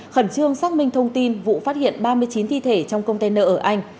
khẩn trương xác minh thông tin vụ phát hiện ba mươi chín thi thể trong container ở anh